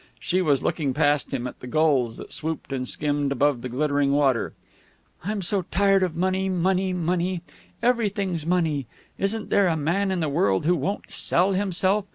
She was looking past him, at the gulls that swooped and skimmed above the glittering water. "I'm so tired of money money money. Everything's money. Isn't there a man in the world who won't sell himself?